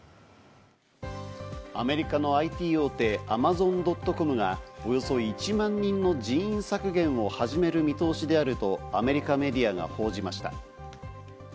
アメリカのＩＴ大手、アマゾン・ドット・コムがおよそ１万人の人員削減を始める見通しであるとアメリカメディアが報じました。